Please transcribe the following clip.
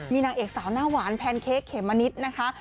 มีนางเอกสาวหน้าหวานแพนเค้กเขมมะนิดนะคะ